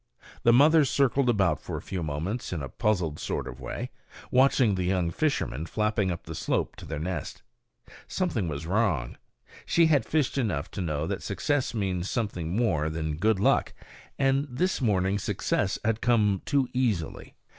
The mother circled about for a few moments in a puzzled sort of way, watching the young fishermen flapping up the slope to their nest. Something was wrong. She had fished enough to know that success means something more than good luck; and this morning success had come too easily.